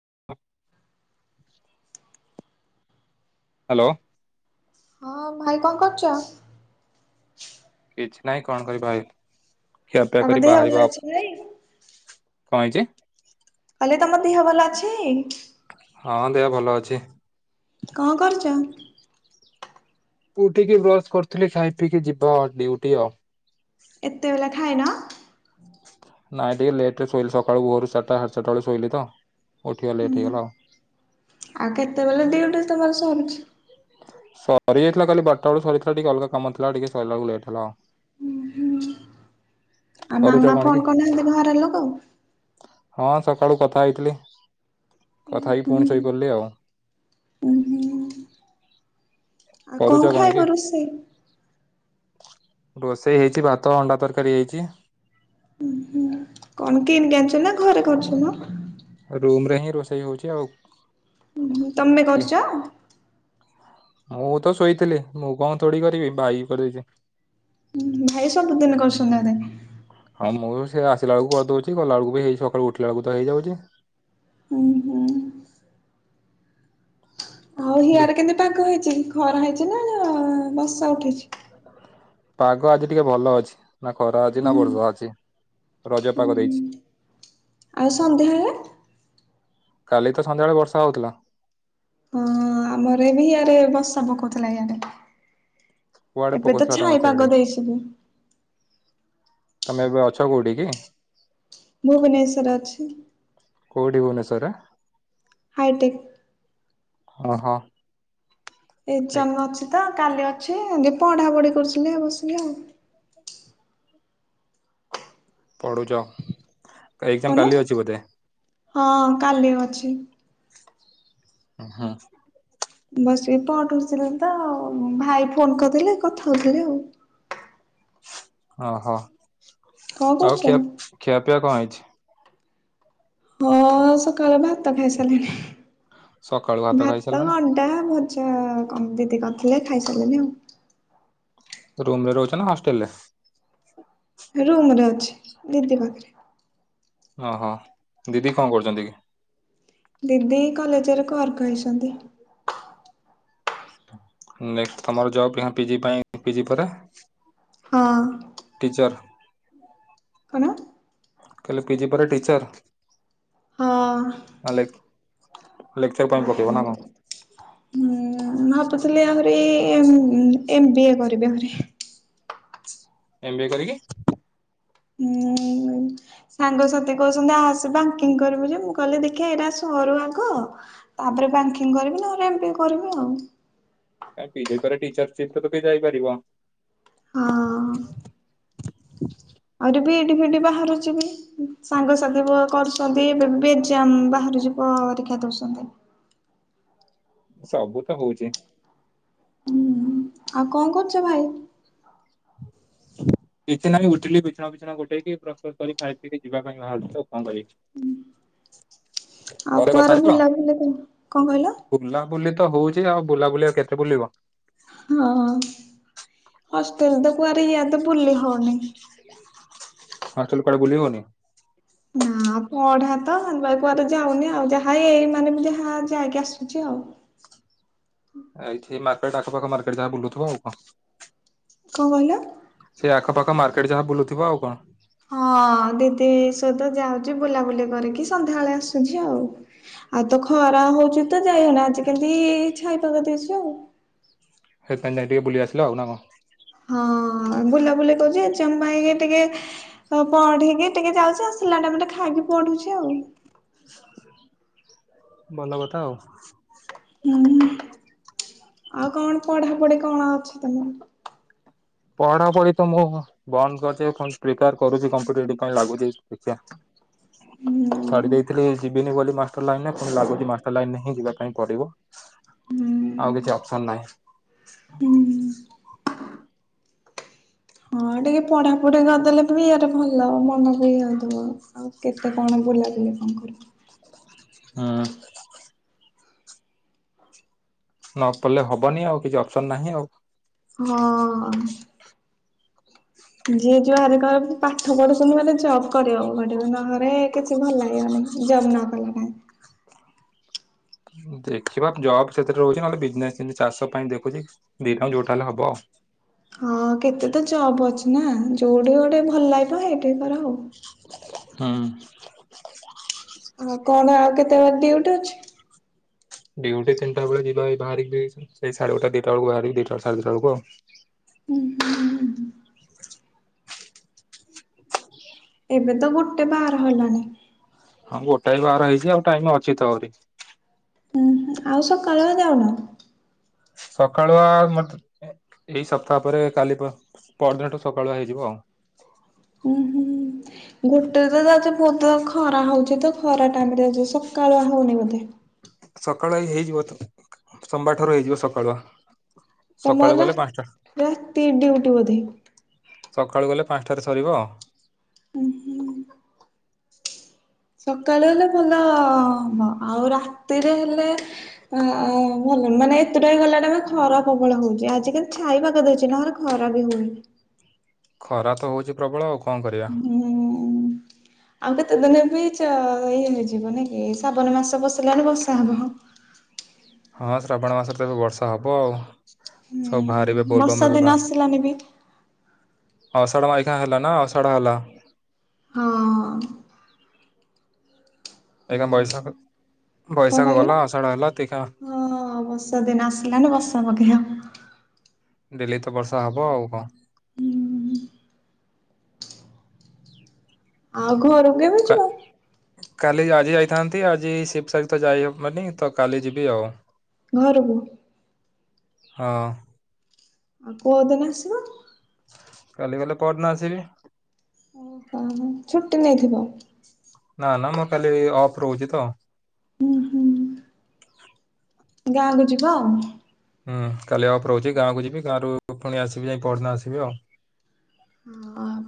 [inaudible] Hello ହଁ ଭାଇ କଣ କରୁଛ? କିଛି ନହିଁ କଣ କରିବା ଭ ତମର ଦେହ ଭଲ ଅଛି ଭାଇ କଣ ହେଇଚି? ହେଲେ ତମ ଦେହ ଭଲା ଅଛି। ହଁ ଦେହ ଭଲ ଅଛି। କଣ କରୁଚ? ଉଠିକି ବ୍ରଶ କରିୁଥିଲି ଖାଇ ପିଇକି ଯିବା ଆ ଡିଉଟି ଆଉ। ଏତେ ବଳେ ଖାଏ ନା ନାଇଁ ଟିକେ ଲେଟ୍ ରେ ଶୋଇଲିି ସକାଳୁ ଭୋଅରୁ ଚାରିଟା ସାତ ସାତଟା ବେଳେ ଶୋଇଲି ତ ଉଠିବା ଲେଟ୍ ହୁଁ ହେଇଗଲା ଆଉ। ଆଉ କେତେବେଳେ ଡିୟୁଟି ତମର ସରୁଚି। ସରିଯାଇଥିଲା କାଲି ବାରଟା ବେଳୁ ସରିଥିଲା ଟିକେ ଅଲଗା କାମଥିଲା ଟିକେ ସଇଲା ବେଳକୁ ଲେଟ ହେଲା। ଆଉ କରୁଛ ମାମା କି? କଣ କରୁନାହାନ୍ତି ଘରେ ଲୋକ ହଁ ସକାଳୁ କଥା ହେଇଥିଲି ଉଁ କଥା ହେଇକି ପୁଣି ସଇ ହୁଁ କଲି ଆଉ ହୁଁ। ଆଉ କରୁଛ କଣ କି? ଖାଇବ ରୁଷେଇ ରୋଷେଇ ହେଇଛି ଭାତ ଅଣ୍ଡା ତରକାରୀ ହେଇଛି। କଣ କେନି ଆଣିଛୁ ନା ଘରେ କରଛନ ରୁମ ରେ ହିଁ ରୋଷେଇ ହଉଛି ଆଉ। ଉହୁଁ ତମେ କରୁଚ? ମୁଁ ତ ଶୋଇଥିଲି। ମୁଁ କଣ ଥୋଡି କରିବି ଭାଇ କରିଦେଇଛି। ଭାଇ ସବୁଦିନ କରଛନ୍ ନାନେ। ହଁ ମୁଁ ସେ ଆସିଲା ବେଳକୁ କରିଦଉଛି। ଗଲା ବେଳକୁ ବି ହେଇି ସକାଳୁ ଉଠିଲା ବେଳକୁ ତ ହେଇଯାଉଛି। ଉଁ ହୁଁ। ଆଉ ବେ- ହିଆରେ କେମତି ପାଗ ହେଇଛି? ଖରା ହେଇଛି ନା ବଷା ଉଠେଇଛି? ପାଗ ଆଜି ଟିକେ ଭଲ ଅଛି। ନା ଖରା ଅଛି ହୁଁ ନା ବର୍ଷା ଅଛି। ରଜ ହୁଁ ପାଗ ହୁଁ ଦେଇଛି। ଆଉ ସନ୍ଧ୍ୟାଳେ? କାଲି ତ ସନ୍ଧ୍ୟାବେଳେ ବର୍ଷା ହଉଥିଲା। ଅଁ ଆମର ଏବି ଇଆରେ ବଷା ପକଉଥିଲା ଇଆଡେ। କୁଆଡେ ଏବେ ତ ପକଉଥିଲା ତମ ଛାଇଁ ସିଆଡେ ପାଗ ଦେଇଛିନି। ତମେ ଏବେ ଅଛ କୋଉଠି କି? ଭୁବନେଶ୍ୱର ଅଛି। କୋଉଠି ଭୁନେଶରେ? ହାଇଟେକ୍। ହ ହୋ। ଏଜାମ୍ ଅଛି ତ କାଲି ଅ ଛିଇ ଇଁତି ପଢା ପଢି କରୁଥିଲି ବସିକି ଆଉ ପଡ଼ୁଜ କଣ ହଁ କାଲି ଅଛି। ଉ ହୁଁ। ବସିକ ପଢ଼ୁ ଥିଲିତଅ ଭାଇ ଫୋନ କରିଥିଲେ କଥା ହଉ ଥିଲି ଆଉ ଓହୋ। କଣ କରୁଛ? ଆଉ ଖିଆ ଖିଆପିଆ କଣ ହେଇଛି? ହଁ ସକାଳ ଭାତ ସକାଳୁ ଖାଇସାରିଲିଣି ଭାତ ଖାଇସାରିଲାଣି ଅଣ୍ଡା ଭଜା ଚଅ- ଅ କମ୍ ଦିଦି କରିଥିଲେ ଖାଇ ସାରିଲେନି ଆଉ।। ରୁମ ରେ ରହୁଛ ନା ହଷ୍ଟେଲରେ? ରୁମ୍ ରେ ଅଛି। ଦିଦି ମାତରେ। ଓହୋ ଦିଦି କଣ କରୁଛନ୍ତି କି? ଦିଦି କଲେଜେରେ କର୍କ ହେଇଛନ୍ତି। ନେକ୍ସଟ୍ ତମର ଜବ ହାଁ ପିଜି ପାଇଁ ପିଜି ପରା। ହଁ। ଜର। କନ କହଲେ ପିଜି ପରେ ଟିଚର୍। ହଁ ଅ। ଲେ ହୁଁ ଭାବୁଥିଲି ଆ ବି ଏମ୍ ବି ଏ କରିବି ଆହୁରି। ଏମ୍ ବିଏ କରିକି ହୁଁ ସାଙ୍ଗସାଥି କହୁଛନ୍ତି ଆସି ବାଙ୍କିଙ୍ଗ କରିବୁ ଯେ ମୁଁ କହିଲି ଦେଖିବା ଏଇଟା ସରୁ ଆଗ ତାପରେ ବାଙ୍କିଙ୍ଗ କରିବି ନହେଲେ ଏମତି କରିବି ଆଉ ପିଜେ ଟିଚର୍ ସିଟ୍ ଯାଇପାରିବ। ହଁ [inaudible] ଆହୁରି ବି ଏଇଠ ଫିଡି ବାହାରୁଛିିବ ସାଙ୍ଗସାଥି କରୁଛନ୍ତି ଏ ବି ଏଜାମ ବାହ ଯିବ ପରୀକ୍ଷା ଦଉଛନ୍ତି। ସବୁ ତ ହଉଚି ହୁଁ ଆଉ କଣ କରୁଛ ଭାଇ କିଛି ନା ଉଠିଲି ବିଛଣା ବିଛଣା ଗୋଟେଇକି ପ୍ରସ୍ତୁତ କରି ଖାଇ ପିଇକି ଯିବା ପାଇଁ ବାହାରୁଚି। ଆଉ ଘରେ କଥା କୁଆର ହେଇଥିଲ ବୁଲା ବୁଲି କଣ କହିଲ ବୁଲାବୁଲି ତ ହଉଛି ଆଉ ବୁଲା ବୁଲି ଆଉ କେତେ ବୁଲିବ। ହଁ ହଷ୍ଟେଲେ ତ କୁଆରେ ଇଆରତ ଭୁଲି ହଉନି। ହଷ୍ଟେଲେ କୁଆଡ଼େ ବୁଲିବନି। ନା ପଢା ତ ହେଇତି ପାଇଁ କୁଆଡ ଯାଉନି ଆଉ ଯାହା ଏଇ ମାନେ ଯାହା ଯାଇକି ଆସୁଛି ଆଉ ଏଇଠି ମାର୍କେଟ ଆଖପାଖ ମାର୍କେଟ ଯାହା ବୁଲୁଥିବ ଆଉ କଣ କଣ କହିଲ ସେଇ ଆଖପାଖ ମାର୍କେଟ ଯାହା ବୁଲୁଥିବ ଆଉ କଣ ହଁ ଦିଦି ସତ ଯାଉଛି ବୁଲାବୁଲି କରିକି ସନ୍ଧ୍ୟାବେଳେ ଆସୁଛି ଆଉ ଆଉ ତ ଖରା ହଉଛି ତ ଯାଇହଉନା ଆଜି କେମିତି ଛାଇ ପକ ଦେଇଛି ଆଉ। ସେ ଯାଇ ଟିକେ ବୁଲି ଆସିଲ ଆଉ ନା କଣ। ହଁ ବୁଲାବୁଲି କହୁଛି ଜମା ହେଇକି ଟିକେ ପଢେଇକି ଟିକେ ଯାଉଛି ଆସିଲା ଟାଇମିରେ ଟିକେ ଖାଇକି ପଢୁଛି ଆଉ। ଭଲ କଥା ଆଉ। ହୁଁ ଆଉ କଣ ପଢାପଢି କଣ ଅଛି ତମର? ପଢ଼ାପଢ଼ି ତ ମୁଁ ବନ୍ଦ କରିଛି ପୁଣି ସ୍ରିପିପିଆର୍ କରୁଚି କଫ୍ମିଡ଼େସ୍ ଡୁ ଲାଗୁଚି ଦେଖିଆ ହୁଁ। ଛାଡ଼ିଦେଇ ଥିଲି ଯିବିନି ବୋଲି ମାଷ୍ଟର ଲାଇନ୍ ରେ ପୁଣି ଲାଗୁଚି ମାଷ୍ଟର ଲାଇନିରେ ହିଁ ଯିବାପାଇଁ ପଡ଼ିବ ହୁଁ ଆଉ କିଛି ଅପ୍ସନ୍ ହୁଁ ନାହିଁ। ହଁ ଟିକେ ପଢାପଢି କରିଦେଲେ ବି ଇଆ ଭଲବ ମନକୁ ଇ ଦବ ଆଉ କେତେ କଣ ବୁଲାବୁଲି କଣ କରିବୁ। ହଁ। ନ ପଡ଼ିଲେ ହବନି ଆଉ କିଛି ଅପସନ ନାହିଁ ଆଉ। ହଁ। ଯିଏ ଯୋଉ ହାରିକା ପାଠ ପଢୁଚନ୍ତି ମାନେ ଜବ୍ କରିବାକୁ ପଡ଼ିବ ନହେଲେ ଘରେ କିଛି ଭଲ ଲାଗିବନହି ଜବ୍ ନ କଲେ ନାହିଁ। ଦେଖିବା ଜବ ସେଥିରେ ରହୁଛି ନହେଲେ ବିଜନେସ ଚାଷ ପାଇଁ ଦେଖୁଛି ଦିଟା ରେଖା ଯୋଉଟା ହେଲେ ହବ। ହଁ କେତେ ତ ଜବ୍ ଅଛି ନା ଯୋଉଠି ଗୋଟେ ଭଲ ଲାଗିବ ହେଇଟି ତର ଯୋଉ। ହୁଁ। ଆଉ କଣ ଆଉ କେତେ ବେଳେ ଡିୟୁଟି ଅଛି। ଡିୟୁଟି ତିନିଟା ବେଳେ ଯିବା ବାହାରିକି ସାଢେଗୋଟେ ଦିଟା ବେଳକୁ ବାହାରିକି ଦିଟା ସାଢେ ଦିଟା ବେଳକୁ ଆଉ। ହୁଁ ହୁଁ। ଏବେ ତ ଗୋଟେ ବାର ହେଲାଣିି। ହଁ ଗୋଟାଏ ବାର ହେଇଛି ଆଉ ଟାଇମ ଅଛି ତ ଆହୁରି। ଉ ଆଉ ସକାଳୁଆ ଯାଉନ? ସକାଳୁଆ ମେ ଏଇ ସପ୍ତାହ ପରେ କାଲି ପରଦିନଠୁ ସକାଳୁଆ ହେଇଯିବ ଆଉ। ଘୋଟ ତ ଯାଦ ବହୁତ ଖରା ହଉଛି ତ ଖରା ଟାଇମରେ ସକାଳୁ ହଉନି ବୋଧେ। ସକାଳୁ ଏ ହେଇଯିବ ସୋମବାର ଠାରୁ ହେଇଯିବ ସକାଳୁଆ। ସକାଳୁ ତମର ରା ଗଲେ ପାଞ୍ଚଟା ରାତି ଡିୟୁଟି ବୋଧେ। ସକାଳୁ ଗଲେ ପାଞ୍ଚଟାରେ ସରିବ। ଁ ସକାଳୁ ହେଲେ ଭଲ ହବ ଆଉ ରାତିରେ ହେଲେ ଆ ଭଲ ମାନେ ଏତୁଟା ଗଲା ଟେେ ଖରା ପ୍ରବଳ ହଉଚ ଆଜିିକାଲି ଛାଇବାକୁ ଦଉଛି ନହେଲେ ଖରା ବି ହଉନି। ଖରା ତ ହଉଚି ପ୍ରବଳ ଆଉ। କଣ କରିବା। ହୁଁ। ଆଉ କେତେ ଦିନ ବି ଇ ହେଇଯିବ ନ କି ସାବନ ମାସ ବସିଲାଣି ବର୍ଷା ହବ। ହଁ ଶ୍ରାବଣ ମାସରେ ତ ଏବେ ବର୍ଷା ହେବ ଆଉ। ସବୁ ବାହାରିବେ ହୁଁ ବୋଲବମ୍ ବର୍ଷା ଦିନ ଆସିଲାନି ବି। ଅଷାଢା ମଖା ହେଲା ନା ଅଷାଢା ହେଲା। ହଁ। ଏଇଗା ବୟସାଖ କଣ କହିଲୁ ହଁ ବର୍ଷା ଦିନ ଆସିଲାନି ବର୍ଷା ପକେଇ ଆ ଡେଲି ତ ବର୍ଷା ହବ ଆଉ କଣ। ଆଉ ଘରକୁ କେବେ କା ଯିବା। କାଲି ଆଜି ଯାଇଥାନ୍ତି ଆଜି ଶିବସରୀ ତ ଯାଇହବନି ତ କାଲି ଯିବି ଆଉ। ଘରବୁ ହଁ। ଆଉ କୋଉଦିନ ଆସିବ। କାଲି କାଲି ପଢିନ ଆସିବି। ଓହୋ ଛୁଟି ନେଇଥିବ। ନା ନା ମୁଁ କାଲି ଅଫ୍ ରହୁଛି ତ। ଗାଁକୁ ଯିବା ଆଉ। ହୁଁ କାଲି ଅଫ୍ ରହୁଛି ଗାଁ କକୁ ଯିବି ଗାଁ ରରୁ ପୁଣି ଆସିବି ଯାଇ ପଢଦିନ ଆସିବି ଆଉ।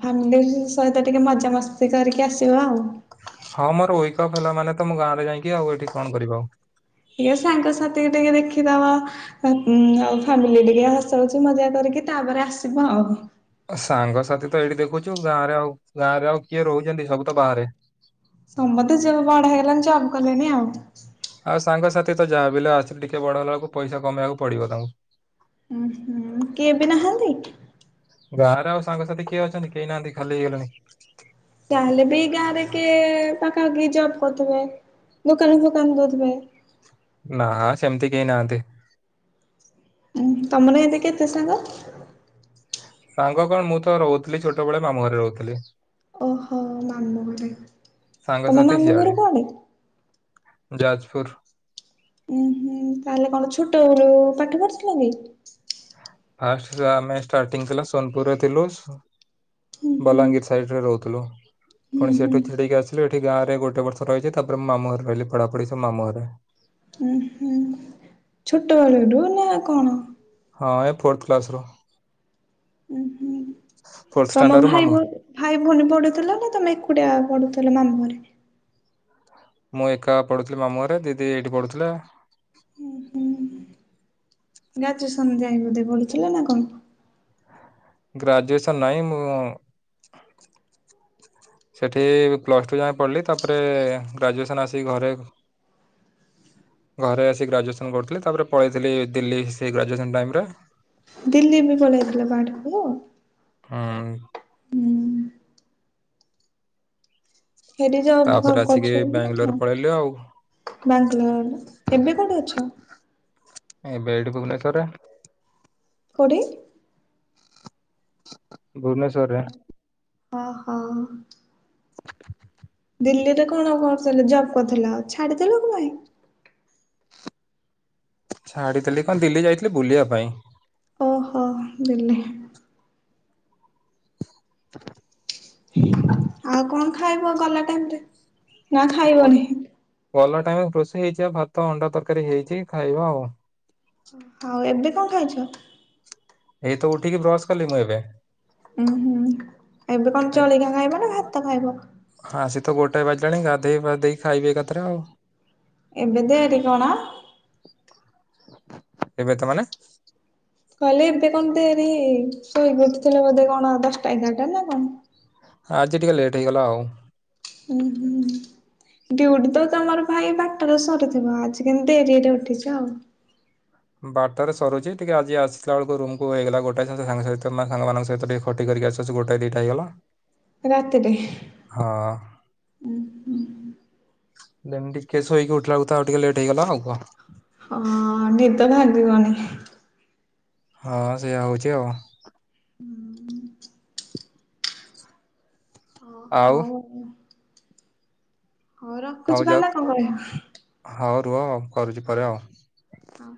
ଫାମିଲି ସହିତ ଟିକେ ମଜାାମସ୍ତି କରିକି ଆସିବା ଆଉ। ହଁ ମୋର ୱକପ୍ ହେଲା ମାନେ ତ ମୁଁ ଗାଁ ରେ ଯାଇକି ଆଉ ଏଇଠି କଣ କରିବ ଆଉ। ଟିକେ ସାଙ୍ଗସାଥି ଟିକେ ଦେଖିଦବା ଆଉ ଫ୍ୟାମିଲି ଟିକେ ହସ ଖୁସି ମଜା କରିକି ତାପରେ ଆସିବ ଆଉ। ସାଙ୍ଗସାଥି ତ ଏଇଠି ଦେଖୁଛୁ ଗାଁରେ ଆଉ ଗାଁ ରେ ଆଉ କିଏ ରହୁଛନ୍ତି ସବୁ ତ ବାହାରେ ସମସ୍ତେ ତ ଯେବେ ବାଡ ହେଇଲାଣି ଜବ୍ କଲେନି ଆଉ। ଆଉ ସାଙ୍ଗସାଥି ତ ଯାହାବ ଆସି ଟିକେ ବଡ ହେଲା ବେଳକୁ ପଇସା କମେଇବାକୁ ପଡିବ ଉଁ ତାଙ୍କୁ କିଏ ବି ନାହାନ୍ତି। ଗାଁରେ ଆଉ ସାଙ୍ଗସାଥି କିଏ ଅଛନ୍ତି କେହି ନାହାନ୍ତି ଖାଲି ହେଇଗଲେଣି। ତାହେଲେ ବି ଗାଁରେ କି ପାଖାାଖି ଜବ କରିଦବେ ଦୋକାନ ଫୋକାନ ଧଥବେ ନା ସେମିତି କେହି ନାହାନ୍ତି। ହଁ ତମର ଏତି କେତେ ସାଙ୍ଗ ସାଙ୍ଗ କଣ ମୁଁ ତ ରହୁଥିଲି ଛୋଟବେେଳେ ମାମୁଁ ଘରେ ରହୁଥିଲି। ଓହୋ ମାମୁ ଘରେ ତମ ସାଙ୍ଗସାଥି ମାମୁ ସିଆଡେ ଘର କୁଆଦେ ଯାଜପୁର ଉଁ ହୁଁ ତାହଲେ କଣ ଛୋଟରୁ ପାଠ ପଢୁଥିଲ କି? ଫାଷ୍ଟ ଆମେ ଷ୍ଟାର୍ଟିଂ ଥିଲା ସୋନପୁରରେ ଥିଲୁ ହୁଁ ହୁଁ। ବଲାଙ୍ଗୀର ସାଇଡ ରେ ରହୁଥିଲୁ ହୁଁ ପୁଣି ହୁଁ ସେଠୁ ଛିଠିକି ଆସିଲୁ ଏଠି ଗାଁ ରେ ଗୋଟେ ବର୍ଷ ରହିଛି ତାପରେ ମାମୁ ଘରେ ରହିଲି ପଢାପଢି ସ ମାମୁଁରେ ଉଁ ହୁଁ ଛୋଟବେଳ ରୁ ନା କଣ? ହଁ ଏ ଫୋର୍ଥ କ୍ଲାସ ର ଉଁ ହୁଁ ତମ ଭାଇ ଭାଇ ଭଉଣୀ ପଡୁଥିଲ ନା ତମେ ଏକୁଟିଆ ପଡ଼ଥିଲ ମାମୁଁ ଘରେ। ମୁଁ ଏକା ପଢୁଥିଲି ମାମୁଁରେ ଦିଦି ଏଇଠି ପଢୁଥିଲେ [unintelligible] ଗ୍ରାଜୁଏସନ୍ ନାହିଁ ମୁଁ ସେଠି ପ୍ଲସ ଟୁ ଯାଏ ପଢ଼ିଲି ତାପରେ ଗ୍ରାଜୁଏସନ ଆସିିକ ଘରେ ଘରେ ଆସି ଗ୍ରାଜୁଏସନ କରୁଥିଲି ତାପରେ ପଳେଇଥିଲି ଦିଲ୍ଲୀ ସେ ଗ୍ରାଜୁଏସନ୍ ଟାଇମରେ ଦିଲ୍ଲି ବି ପାଲେଇଥିଲ [unintelligible] ହଁ ସେଠି ଜବ ତାପରେ ଆସିକି ବାଙ୍ଗାଲୋର ପଳେଇଲି ଆଉ ବାଙ୍ଗାଲୋର ଏବେ କୋଠେ ଅଛ ଏବେ ଏଇଠି ଭୁବନେଶ୍ୱର କୋଉଠି ଭୁବେଶ୍ୱରରେ ହ ହଁ ଦିଲ୍ଲୀରେ କଣ କରୁଥିଲ ଜବ୍ କରିଥିଲା ଆଉ ଛାଡିଦେଲ କଣ ପାଇଁ ଛାଡିଥିଲି କଣ ଦିଲ୍ଲୀ ଯାଇଥିଲି ବୁଲିବା ପାଇଁ ଓହୋ ବୁଲି ଆଉ କଣ ଖାଇବ ଗଲା ଟାଇମରେ ନା ଗଲ ଖାଇବନି ଗଲା ଟାଇମ ରୋଷେଇ ହେଇଯାଇଛି ଭାତ ଅଣ୍ଡା ତରକାରୀ ହେଇଛି ଖାଇବା ଆଉ ଆଉ ଏବେ କଣ ଖାଇଛ ଏଇ ତ ଉଠିକି ବ୍ରସ କଲି ମୁଁ ଏବେ ଉୁଁ ହୁଁ ଏବେ କଣ ଚଳିକା ଖାଇବ ନା ଭ ତ ପାଇହବ ଆସ ତ ଗୋଟାଏ ବାଜିଲାଣି ଗାଧେଇ ବାଧେଇ ଖାଇବେ ଏକଥରେ ଆଉ ଏବେଧେ ଆ କୋଣା ଏବେ ତ ମାନେ କହିଲେ ଏବେ କଣତିରି ଶୋଇଗଥିଲେ ବୋଧେ କଣ ଦଶଟା ଏଗାରଟା ନା କଣ ଆଜି ଟିକେ ଲେଟ୍ ହେଇଗଲା ଆଉ ହୁଁ ହୁଁ ଡଉଟି ତ ତମର ଭାଇ ବାଟରେ ସରିଥିବ ଆଜି କେମତି ଡରିରେ ଉଠିଛ ଆଉ ବାରଟ ରେ ସରୁଛି ଟିକେ ଆଜି ଆସିଲା ବେଳକୁ ରୁମକୁ ହେଇଗଲା ଗୋଟା ସାଙ୍ଗ ସହିତ ସାଙ୍ଗମାନଙ୍କ ସହିତ ଖଟି କରିକ ଆସୁଛି ଗୋଟଏ ଦିଟା ହେଇଗଲା ରାତିରେ ହଁ। ଉ ହେମିତିିକେେଶ ହେଇକି ଉଠିଲ ବ ଉଠଥା ଆଉ ଟିକେ ଲେଟ୍ଇଗ ଆଉୁହ ହଁ ନିଦ ଭାଗିବଣିି ହଁ ସେଇୟଆା ହଉଛି ଆଉ ହୁଁ ଆଉ ହଉ ହଉ ରଖୁଛି ବ ନା କଣ କହିବ ହଉ ରୁହ କରୁଛି ପରେ ହଉ ଆଉ ହଉ।